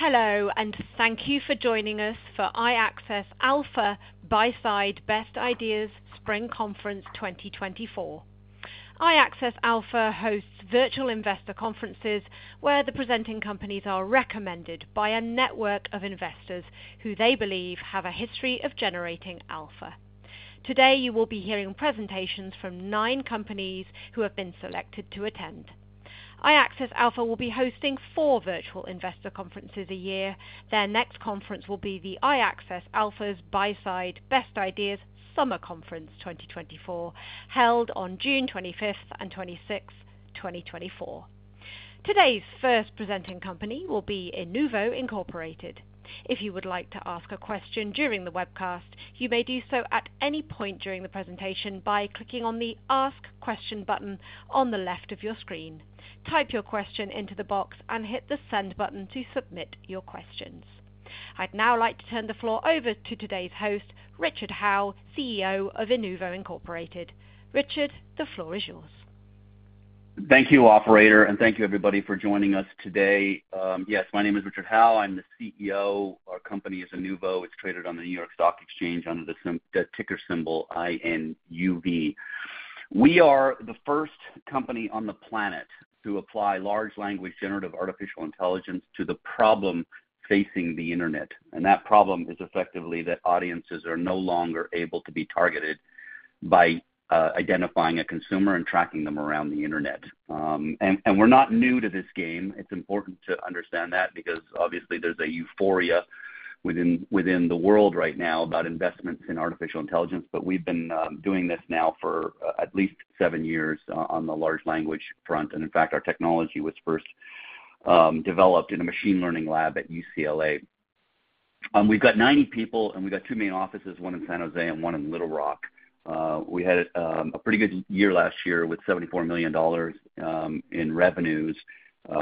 Hello and thank you for joining us for iAccess Alpha Buyside Best Ideas Spring Conference 2024. iAccess Alpha hosts virtual investor conferences where the presenting companies are recommended by a network of investors who they believe have a history of generating alpha. Today you will be hearing presentations from nine companies who have been selected to attend. iAccess Alpha will be hosting four virtual investor conferences a year. Their next conference will be the iAccess Alpha's Buyside Best Ideas Summer Conference 2024, held on June 25 and 26, 2024. Today's first presenting company will be Inuvo Incorporated. If you would like to ask a question during the webcast, you may do so at any point during the presentation by clicking on the Ask Question button on the left of your screen. Type your question into the box and hit the Send button to submit your questions. I'd now like to turn the floor over to today's host, Richard Howe, CEO of Inuvo Incorporated. Richard, the floor is yours. Thank you, operator, and thank you, everybody, for joining us today. Yes, my name is Richard Howe. I'm the CEO. Our company is Inuvo. It's traded on the New York Stock Exchange under the ticker symbol INUV. We are the first company on the planet to apply large language generative artificial intelligence to the problem facing the internet. That problem is effectively that audiences are no longer able to be targeted by identifying a consumer and tracking them around the internet. We're not new to this game. It's important to understand that because, obviously, there's a euphoria within the world right now about investments in artificial intelligence. We've been doing this now for at least seven years on the large language front. In fact, our technology was first developed in a machine learning lab at UCLA. We've got 90 people, and we've got two main offices, one in San Jose and one in Little Rock. We had a pretty good year last year with $74 million in revenues.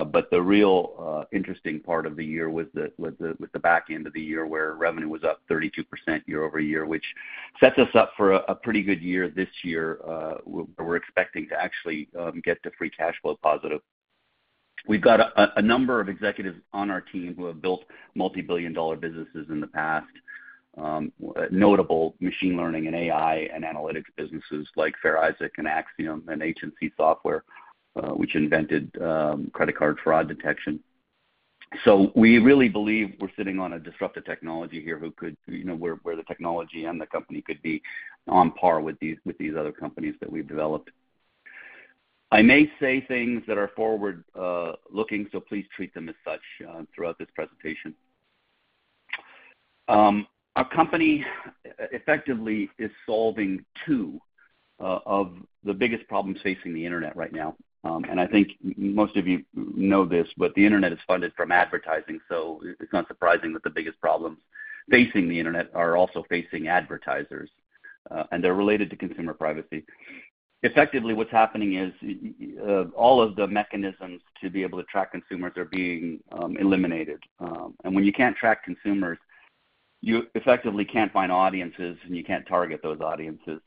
But the real interesting part of the year was with the back end of the year where revenue was up 32% year-over-year, which sets us up for a pretty good year this year where we're expecting to actually get to free cash flow positive. We've got a number of executives on our team who have built multi-billion dollar businesses in the past, notable machine learning and AI and analytics businesses like Fair Isaac and Acxiom and HNC Software, which invented credit card fraud detection. So we really believe we're sitting on a disruptive technology here where the technology and the company could be on par with these other companies that we've developed. I may say things that are forward-looking, so please treat them as such throughout this presentation. Our company effectively is solving two of the biggest problems facing the internet right now. I think most of you know this, but the internet is funded from advertising, so it's not surprising that the biggest problems facing the internet are also facing advertisers, and they're related to consumer privacy. Effectively, what's happening is all of the mechanisms to be able to track consumers are being eliminated. When you can't track consumers, you effectively can't find audiences, and you can't target those audiences.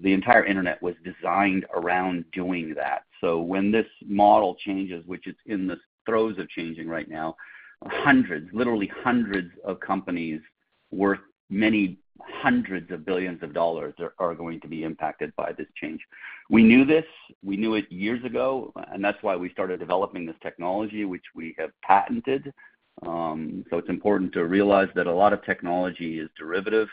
The entire internet was designed around doing that. So when this model changes, which it's in the throes of changing right now, literally hundreds of companies worth many hundreds of billions of dollars are going to be impacted by this change. We knew this. We knew it years ago. That's why we started developing this technology, which we have patented. It's important to realize that a lot of technology is derivative,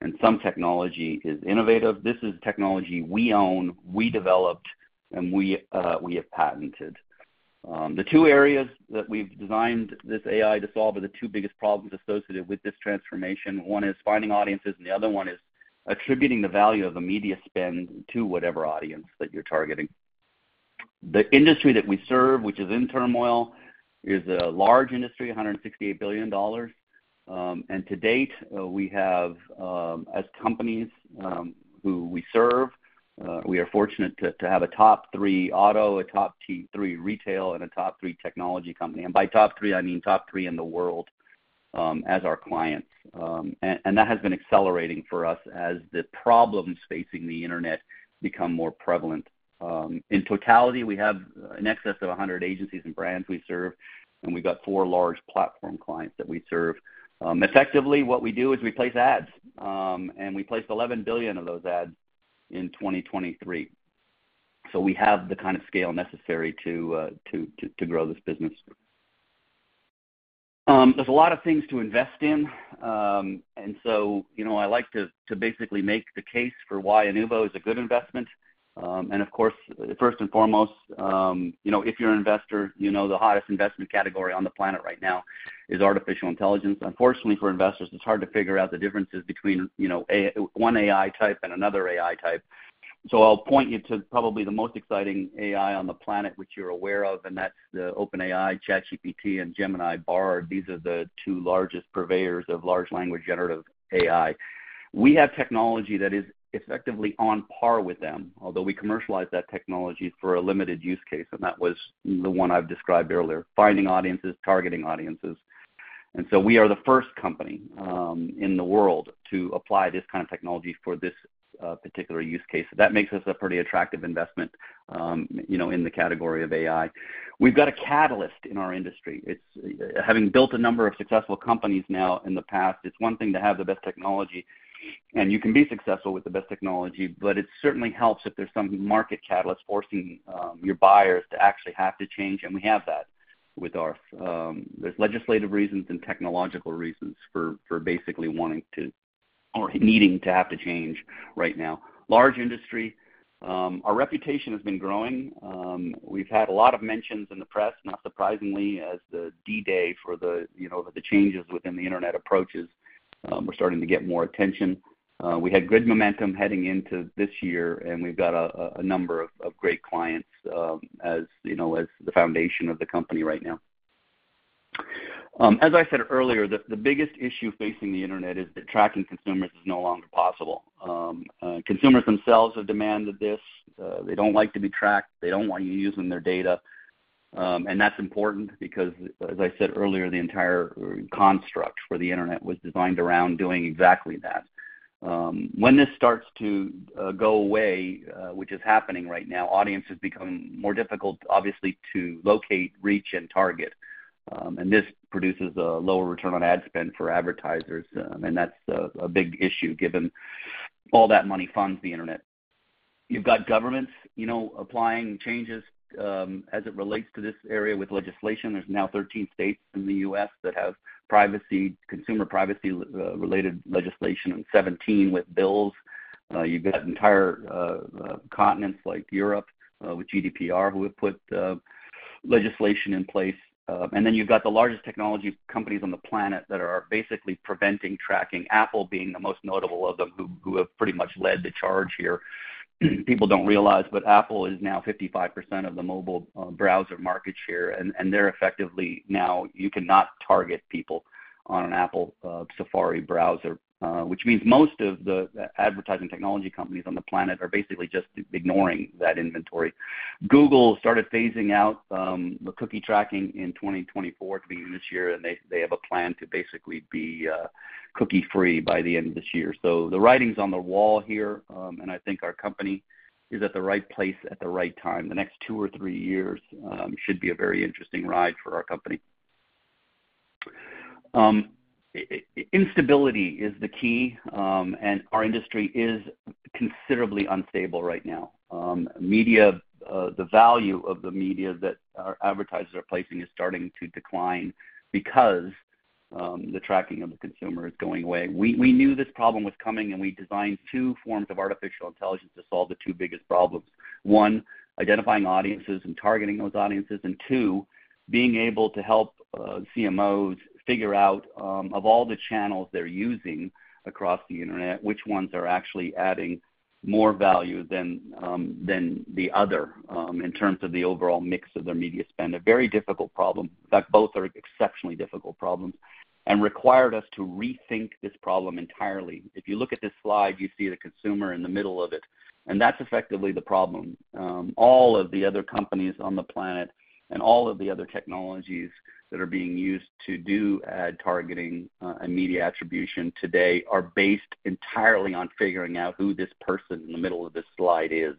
and some technology is innovative. This is technology we own, we developed, and we have patented. The two areas that we've designed this AI to solve are the two biggest problems associated with this transformation. One is finding audiences, and the other one is attributing the value of the media spend to whatever audience that you're targeting. The industry that we serve, which is in turmoil, is a large industry, $168 billion. To date, as companies who we serve, we are fortunate to have a top three auto, a top three retail, and a top three technology company. By top three, I mean top three in the world as our clients. And that has been accelerating for us as the problems facing the internet become more prevalent. In totality, we have in excess of 100 agencies and brands we serve, and we've got four large platform clients that we serve. Effectively, what we do is we place ads, and we placed 11 billion of those ads in 2023. So we have the kind of scale necessary to grow this business. There's a lot of things to invest in. And so I like to basically make the case for why Inuvo is a good investment. And of course, first and foremost, if you're an investor, the hottest investment category on the planet right now is artificial intelligence. Unfortunately, for investors, it's hard to figure out the differences between one AI type and another AI type. So I'll point you to probably the most exciting AI on the planet, which you're aware of, and that's the OpenAI, ChatGPT, and Gemini Bard. These are the two largest purveyors of large language generative AI. We have technology that is effectively on par with them, although we commercialize that technology for a limited use case. And that was the one I've described earlier, finding audiences, targeting audiences. And so we are the first company in the world to apply this kind of technology for this particular use case. That makes us a pretty attractive investment in the category of AI. We've got a catalyst in our industry. Having built a number of successful companies now in the past, it's one thing to have the best technology, and you can be successful with the best technology, but it certainly helps if there's some market catalyst forcing your buyers to actually have to change. And we have that with our there's legislative reasons and technological reasons for basically wanting to or needing to have to change right now. Large industry. Our reputation has been growing. We've had a lot of mentions in the press, not surprisingly, as the D-Day for the changes within the internet approaches. We're starting to get more attention. We had good momentum heading into this year, and we've got a number of great clients as the foundation of the company right now. As I said earlier, the biggest issue facing the internet is that tracking consumers is no longer possible. Consumers themselves have demanded this. They don't like to be tracked. They don't want you using their data. That's important because, as I said earlier, the entire construct for the internet was designed around doing exactly that. When this starts to go away, which is happening right now, audiences become more difficult, obviously, to locate, reach, and target. This produces a lower return on ad spend for advertisers. That's a big issue given all that money funds the internet. You've got governments applying changes as it relates to this area with legislation. There's now 13 states in the U.S. that have consumer privacy-related legislation and 17 with bills. You've got entire continents like Europe with GDPR who have put legislation in place. Then you've got the largest technology companies on the planet that are basically preventing tracking, Apple being the most notable of them who have pretty much led the charge here. People don't realize, but Apple is now 55% of the mobile browser market share. Effectively now, you cannot target people on an Apple Safari browser, which means most of the advertising technology companies on the planet are basically just ignoring that inventory. Google started phasing out the cookie tracking in 2024 to begin this year, and they have a plan to basically be cookie-free by the end of this year. So the writing's on the wall here, and I think our company is at the right place at the right time. The next two or three years should be a very interesting ride for our company. Instability is the key, and our industry is considerably unstable right now. The value of the media that our advertisers are placing is starting to decline because the tracking of the consumer is going away. We knew this problem was coming, and we designed two forms of artificial intelligence to solve the two biggest problems: one, identifying audiences and targeting those audiences, and two, being able to help CMOs figure out, of all the channels they're using across the internet, which ones are actually adding more value than the other in terms of the overall mix of their media spend. A very difficult problem. In fact, both are exceptionally difficult problems and required us to rethink this problem entirely. If you look at this slide, you see the consumer in the middle of it. That's effectively the problem. All of the other companies on the planet and all of the other technologies that are being used to do ad targeting and media attribution today are based entirely on figuring out who this person in the middle of this slide is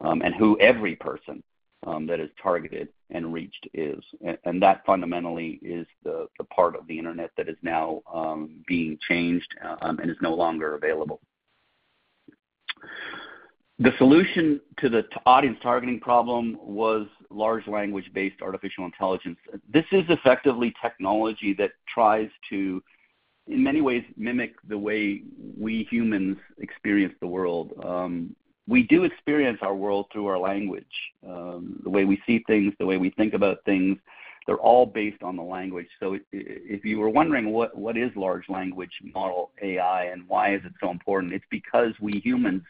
and who every person that is targeted and reached is. And that fundamentally is the part of the internet that is now being changed and is no longer available. The solution to the audience targeting problem was large language-based artificial intelligence. This is effectively technology that tries to, in many ways, mimic the way we humans experience the world. We do experience our world through our language, the way we see things, the way we think about things. They're all based on the language. So if you were wondering what is large language model AI and why is it so important, it's because we humans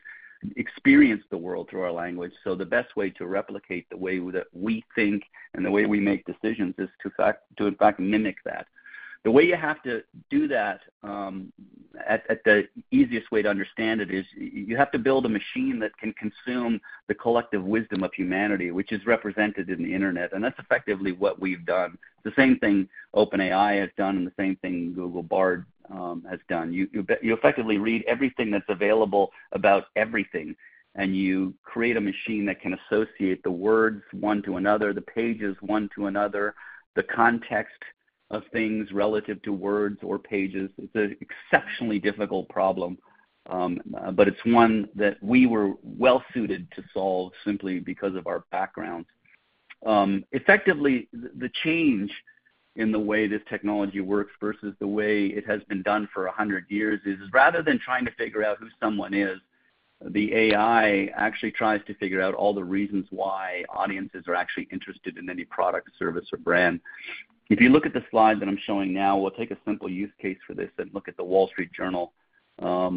experience the world through our language. The best way to replicate the way that we think and the way we make decisions is to, in fact, mimic that. The way you have to do that, the easiest way to understand it is you have to build a machine that can consume the collective wisdom of humanity, which is represented in the internet. That's effectively what we've done. The same thing OpenAI has done, and the same thing Google Bard has done. You effectively read everything that's available about everything, and you create a machine that can associate the words one to another, the pages one to another, the context of things relative to words or pages. It's an exceptionally difficult problem, but it's one that we were well-suited to solve simply because of our backgrounds. Effectively, the change in the way this technology works versus the way it has been done for 100 years is, rather than trying to figure out who someone is, the AI actually tries to figure out all the reasons why audiences are actually interested in any product, service, or brand. If you look at the slide that I'm showing now, we'll take a simple use case for this and look at The Wall Street Journal,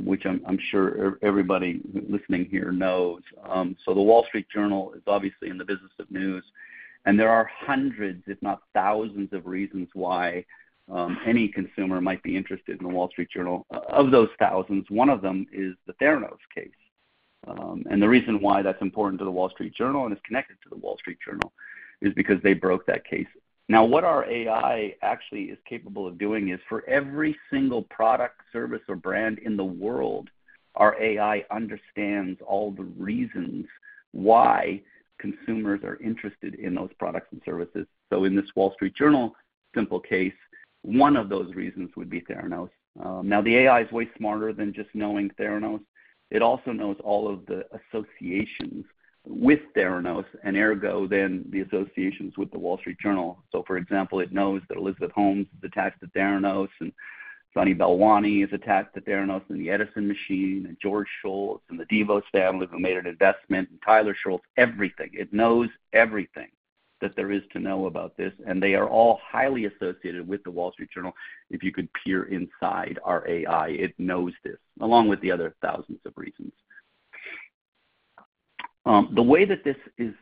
which I'm sure everybody listening here knows. So The Wall Street Journal is obviously in the business of news. There are hundreds, if not thousands, of reasons why any consumer might be interested in The Wall Street Journal. Of those thousands, one of them is the Theranos case. The reason why that's important to the Wall Street Journal and is connected to the Wall Street Journal is because they broke that case. Now, what our AI actually is capable of doing is, for every single product, service, or brand in the world, our AI understands all the reasons why consumers are interested in those products and services. So in this Wall Street Journal simple case, one of those reasons would be Theranos. Now, the AI is way smarter than just knowing Theranos. It also knows all of the associations with Theranos and, ergo, then the associations with the Wall Street Journal. So, for example, it knows that Elizabeth Holmes is attached to Theranos, and Sunny Balwani is attached to Theranos and the Edison machine, and George Shultz and the DeVos family who made an investment, and Tyler Shultz, everything. It knows everything that there is to know about this. They are all highly associated with the Wall Street Journal. If you could peer inside our AI, it knows this along with the other thousands of reasons. The way that this is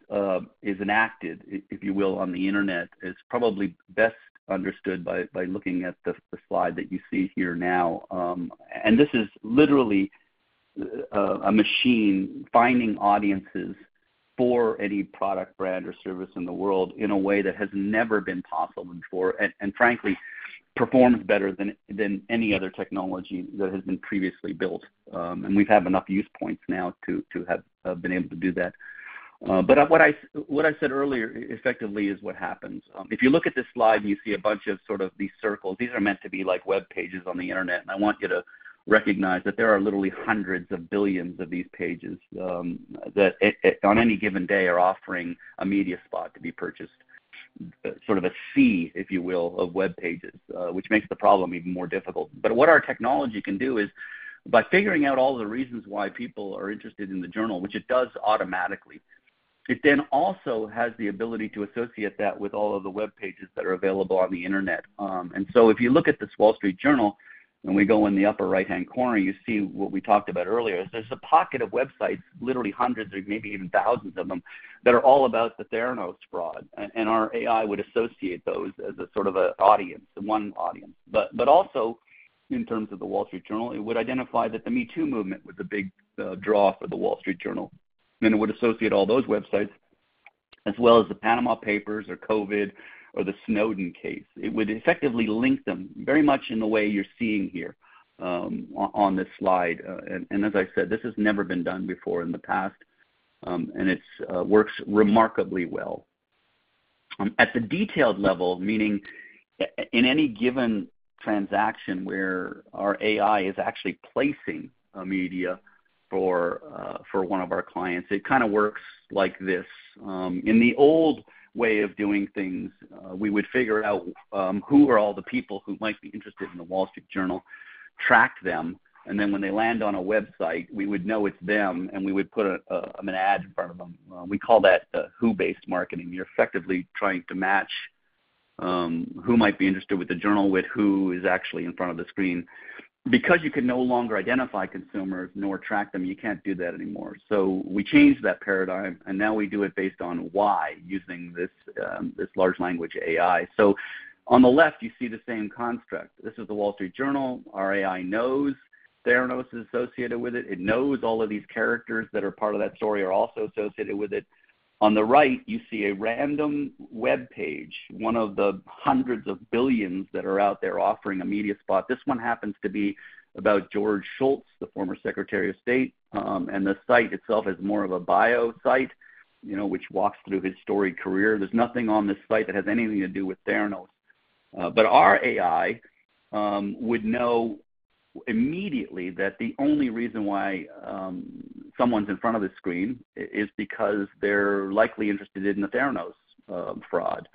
enacted, if you will, on the internet is probably best understood by looking at the slide that you see here now. This is literally a machine finding audiences for any product, brand, or service in the world in a way that has never been possible before and, frankly, performs better than any other technology that has been previously built. We've had enough use points now to have been able to do that. But what I said earlier, effectively, is what happens. If you look at this slide, you see a bunch of sort of these circles. These are meant to be web pages on the internet. I want you to recognize that there are literally hundreds of billions of these pages that, on any given day, are offering a media spot to be purchased, sort of a sea, if you will, of web pages, which makes the problem even more difficult. But what our technology can do is, by figuring out all the reasons why people are interested in the journal, which it does automatically, it then also has the ability to associate that with all of the web pages that are available on the internet. So if you look at this Wall Street Journal and we go in the upper right-hand corner, you see what we talked about earlier. There's a pocket of websites, literally hundreds or maybe even thousands of them, that are all about the Theranos fraud. Our AI would associate those as a sort of an audience, one audience. But also, in terms of the Wall Street Journal, it would identify that the Me Too movement was a big draw for the Wall Street Journal. And it would associate all those websites as well as the Panama Papers or COVID or the Snowden case. It would effectively link them very much in the way you're seeing here on this slide. And as I said, this has never been done before in the past, and it works remarkably well. At the detailed level, meaning in any given transaction where our AI is actually placing a media for one of our clients, it kind of works like this. In the old way of doing things, we would figure out who are all the people who might be interested in the Wall Street Journal, track them, and then when they land on a website, we would know it's them, and we would put an ad in front of them. We call that who-based marketing. You're effectively trying to match who might be interested with the journal with who is actually in front of the screen. Because you can no longer identify consumers nor track them, you can't do that anymore. So we changed that paradigm, and now we do it based on why using this large language AI. So on the left, you see the same construct. This is the Wall Street Journal. Our AI knows Theranos is associated with it. It knows all of these characters that are part of that story are also associated with it. On the right, you see a random web page, one of the hundreds of billions that are out there offering a media spot. This one happens to be about George Shultz, the former Secretary of State. The site itself is more of a bio site, which walks through his storied career. There's nothing on this site that has anything to do with Theranos. But our AI would know immediately that the only reason why someone's in front of the screen is because they're likely interested in the Theranos fraud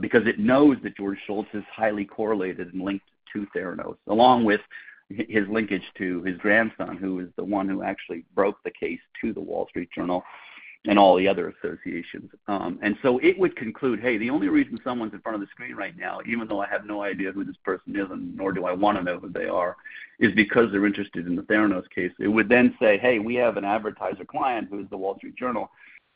because it knows that George Shultz is highly correlated and linked to Theranos, along with his linkage to his grandson, who is the one who actually broke the case to The Wall Street Journal and all the other associations. And so it would conclude, "Hey, the only reason someone's in front of the screen right now, even though I have no idea who this person is and nor do I want to know who they are, is because they're interested in the Theranos case." It would then say, "Hey, we have an advertiser client who is the Wall Street Journal,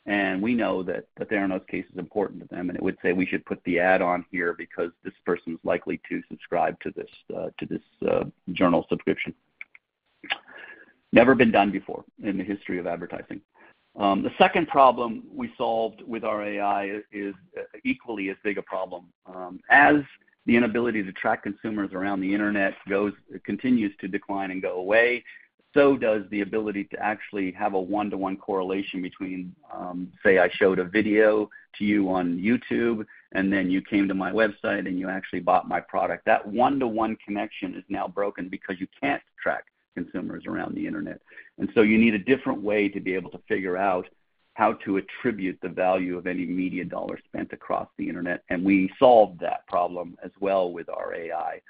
and we know that the Theranos case is important to them." It would say, "We should put the ad on here because this person's likely to subscribe to this Journal subscription." Never been done before in the history of advertising. The second problem we solved with our AI is equally as big a problem. As the inability to track consumers around the internet continues to decline and go away, so does the ability to actually have a one-to-one correlation between, say, I showed a video to you on YouTube, and then you came to my website and you actually bought my product. That one-to-one connection is now broken because you can't track consumers around the internet. So you need a different way to be able to figure out how to attribute the value of any media dollar spent across the internet. We solved that problem as well with our AI.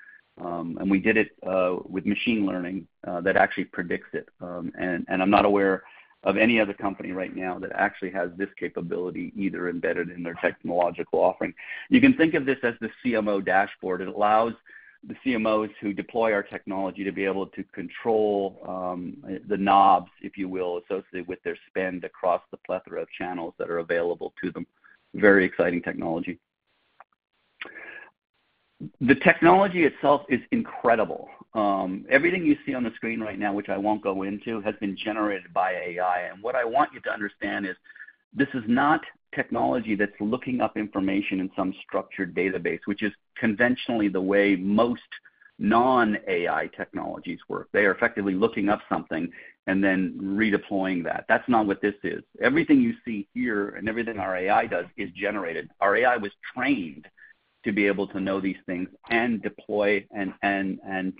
We did it with machine learning that actually predicts it. I'm not aware of any other company right now that actually has this capability either embedded in their technological offering. You can think of this as the CMO dashboard. It allows the CMOs who deploy our technology to be able to control the knobs, if you will, associated with their spend across the plethora of channels that are available to them. Very exciting technology. The technology itself is incredible. Everything you see on the screen right now, which I won't go into, has been generated by AI. What I want you to understand is this is not technology that's looking up information in some structured database, which is conventionally the way most non-AI technologies work. They are effectively looking up something and then redeploying that. That's not what this is. Everything you see here and everything our AI does is generated. Our AI was trained to be able to know these things and deploy and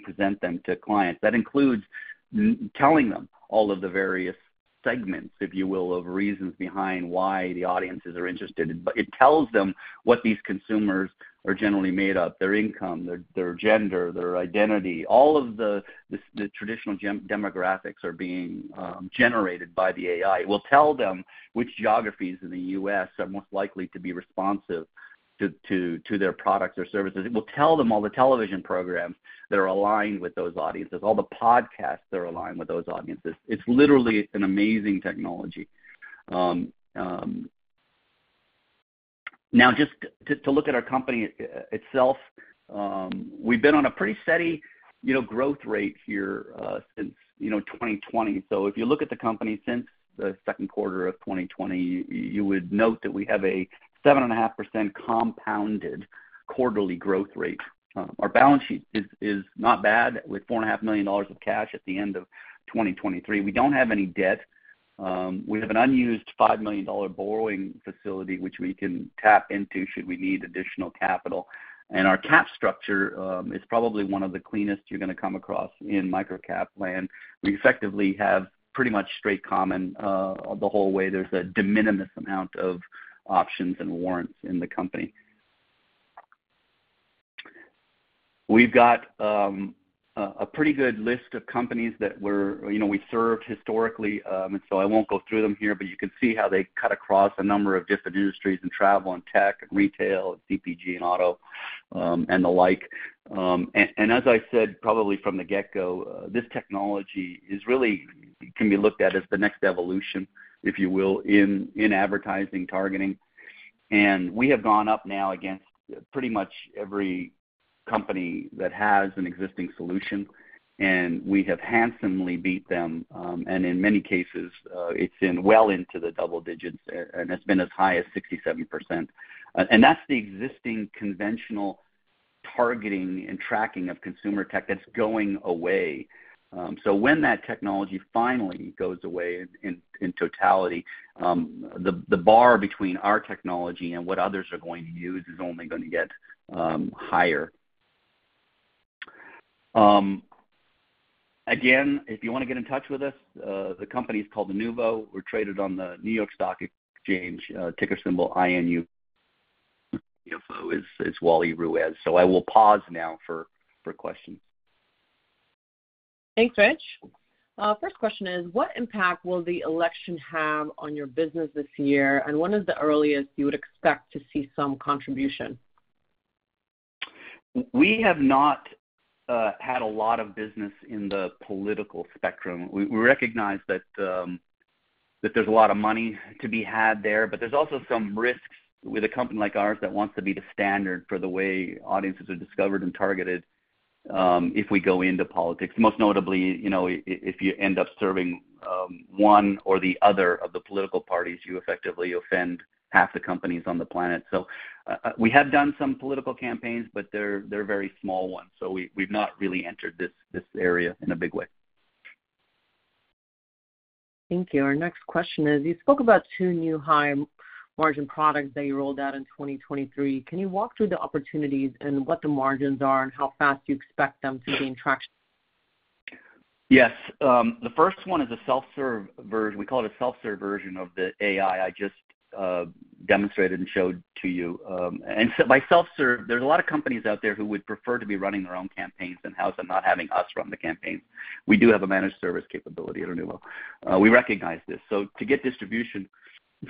present them to clients. That includes telling them all of the various segments, if you will, of reasons behind why the audiences are interested. But it tells them what these consumers are generally made of, their income, their gender, their identity. All of the traditional demographics are being generated by the AI. It will tell them which geographies in the U.S. are most likely to be responsive to their products or services. It will tell them all the television programs that are aligned with those audiences, all the podcasts that are aligned with those audiences. It's literally an amazing technology. Now, just to look at our company itself, we've been on a pretty steady growth rate here since 2020. So if you look at the company since the second quarter of 2020, you would note that we have a 7.5% compounded quarterly growth rate. Our balance sheet is not bad with $4.5 million of cash at the end of 2023. We don't have any debt. We have an unused $5 million borrowing facility, which we can tap into should we need additional capital. Our capital structure is probably one of the cleanest you're going to come across in microcap land. We effectively have pretty much straight common the whole way. There's a de minimis amount of options and warrants in the company. We've got a pretty good list of companies that we served historically. So I won't go through them here, but you can see how they cut across a number of different industries in travel and tech and retail and CPG and auto and the like. As I said, probably from the get-go, this technology can be looked at as the next evolution, if you will, in advertising targeting. We have gone up now against pretty much every company that has an existing solution. We have handsomely beat them. In many cases, it's been well into the double digits, and it's been as high as 67%. That's the existing conventional targeting and tracking of consumer tech that's going away. So when that technology finally goes away in totality, the bar between our technology and what others are going to use is only going to get higher. Again, if you want to get in touch with us, the company is called Inuvo. We're traded on the New York Stock Exchange. Ticker symbol INUV. Ticker symbol INUV. Ticker symbol INUV. So I will pause now for questions. Thanks, Rich. First question is, what impact will the election have on your business this year? And when is the earliest you would expect to see some contribution? We have not had a lot of business in the political spectrum. We recognize that there's a lot of money to be had there. But there's also some risks with a company like ours that wants to be the standard for the way audiences are discovered and targeted if we go into politics. Most notably, if you end up serving one or the other of the political parties, you effectively offend half the companies on the planet. So we have done some political campaigns, but they're very small ones. So we've not really entered this area in a big way. Thank you. Our next question is, you spoke about two new high-margin products that you rolled out in 2023. Can you walk through the opportunities and what the margins are and how fast you expect them to gain traction? Yes. The first one is a self-serve version. We call it a self-serve version of the AI I just demonstrated and showed to you. And by self-serve, there's a lot of companies out there who would prefer to be running their own campaigns and have them not having us run the campaigns. We do have a managed service capability at Inuvo. We recognize this. So to get distribution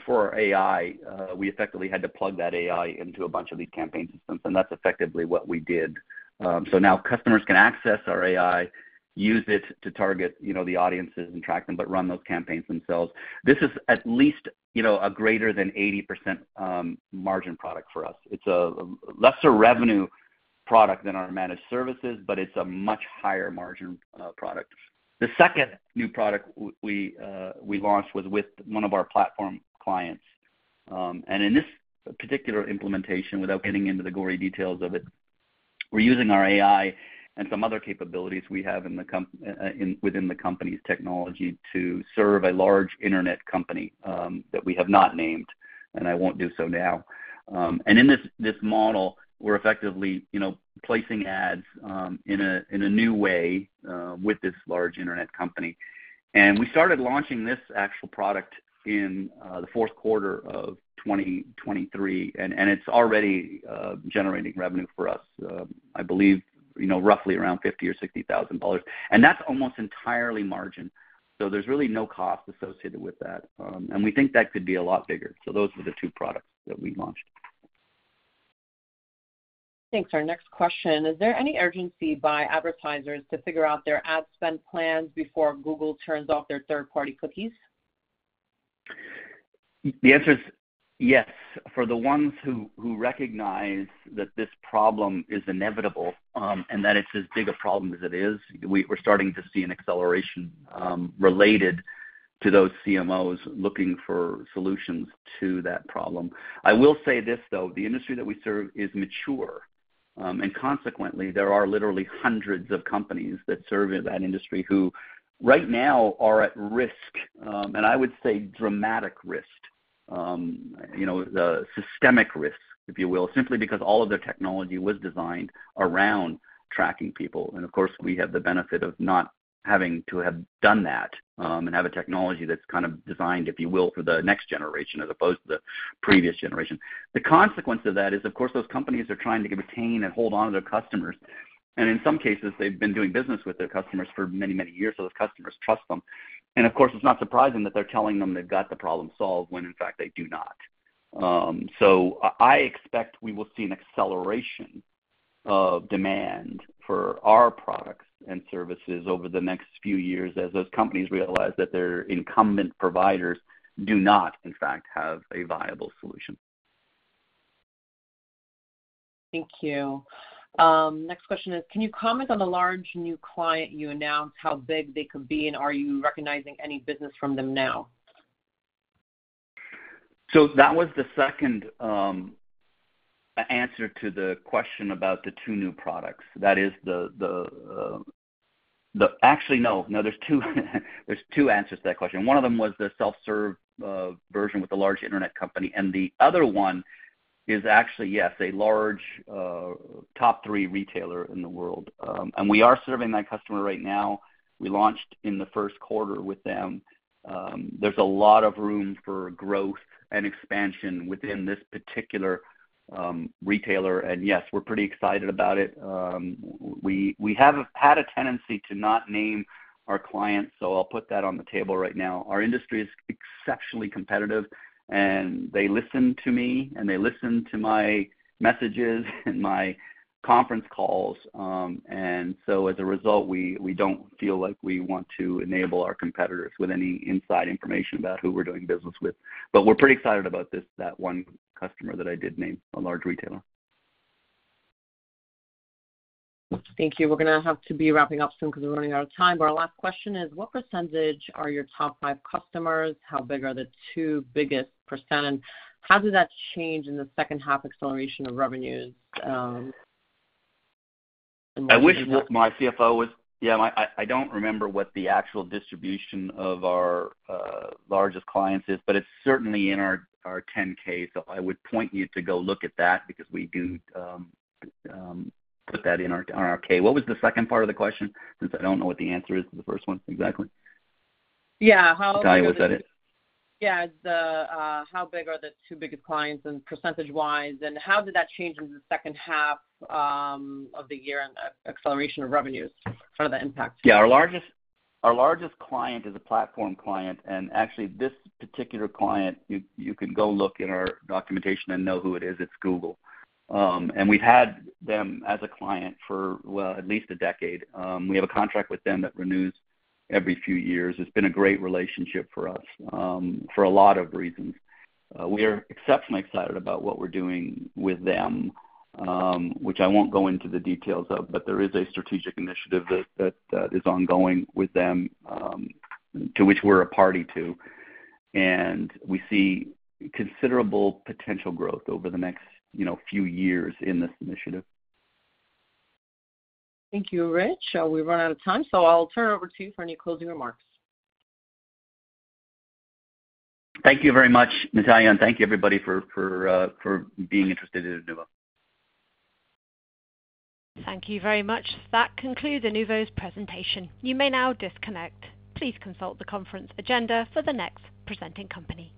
for our AI, we effectively had to plug that AI into a bunch of these campaign systems. And that's effectively what we did. So now customers can access our AI, use it to target the audiences and track them, but run those campaigns themselves. This is at least a greater than 80% margin product for us. It's a lesser revenue product than our managed services, but it's a much higher margin product. The second new product we launched was with one of our platform clients. In this particular implementation, without getting into the gory details of it, we're using our AI and some other capabilities we have within the company's technology to serve a large internet company that we have not named, and I won't do so now. In this model, we're effectively placing ads in a new way with this large internet company. We started launching this actual product in the fourth quarter of 2023, and it's already generating revenue for us, I believe, roughly around $50,000-$60,000. That's almost entirely margin. There's really no cost associated with that. We think that could be a lot bigger. Those were the two products that we launched. Thanks. Our next question, is there any urgency by advertisers to figure out their ad spend plans before Google turns off their third-party cookies? The answer is yes. For the ones who recognize that this problem is inevitable and that it's as big a problem as it is, we're starting to see an acceleration related to those CMOs looking for solutions to that problem. I will say this, though. The industry that we serve is mature. Consequently, there are literally hundreds of companies that serve in that industry who right now are at risk, and I would say dramatic risk, systemic risks, if you will, simply because all of their technology was designed around tracking people. Of course, we have the benefit of not having to have done that and have a technology that's kind of designed, if you will, for the next generation as opposed to the previous generation. The consequence of that is, of course, those companies are trying to retain and hold on to their customers. In some cases, they've been doing business with their customers for many, many years. Those customers trust them. Of course, it's not surprising that they're telling them they've got the problem solved when, in fact, they do not. I expect we will see an acceleration of demand for our products and services over the next few years as those companies realize that their incumbent providers do not, in fact, have a viable solution. Thank you. Next question is, can you comment on the large new client you announced, how big they could be, and are you recognizing any business from them now? So that was the second answer to the question about the two new products. That is actually, no. No, there's two answers to that question. One of them was the self-serve version with the large internet company. And the other one is actually, yes, a large top-three retailer in the world. And we are serving that customer right now. We launched in the first quarter with them. There's a lot of room for growth and expansion within this particular retailer. And yes, we're pretty excited about it. We have had a tendency to not name our clients, so I'll put that on the table right now. Our industry is exceptionally competitive, and they listen to me, and they listen to my messages and my conference calls. So as a result, we don't feel like we want to enable our competitors with any inside information about who we're doing business with. But we're pretty excited about that one customer that I did name, a large retailer. Thank you. We're going to have to be wrapping up soon because we're running out of time. Our last question is, what percentage are your top five customers? How big are the two biggest percent? And how did that change in the second-half acceleration of revenues in Wall Street? I wish my CFO was yeah. I don't remember what the actual distribution of our largest clients is, but it's certainly in our 10-K. So I would point you to go look at that because we do put that in our K. What was the second part of the question? Since I don't know what the answer is to the first one exactly. Yeah. How big? I'm sorry. Was that it? Yeah. How big are the two biggest clients and percentage-wise? And how did that change in the second half of the year and acceleration of revenues? What are the impacts? Yeah. Our largest client is a platform client. Actually, this particular client, you can go look in our documentation and know who it is. It's Google. We've had them as a client for at least a decade. We have a contract with them that renews every few years. It's been a great relationship for us for a lot of reasons. We are exceptionally excited about what we're doing with them, which I won't go into the details of. But there is a strategic initiative that is ongoing with them to which we're a party to. We see considerable potential growth over the next few years in this initiative. Thank you, Rich. We run out of time, so I'll turn it over to you for any closing remarks. Thank you very much, Natalia. Thank you, everybody, for being interested in Inuvo. Thank you very much. That concludes Inuvo's presentation. You may now disconnect. Please consult the conference agenda for the next presenting company.